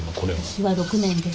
私６年です。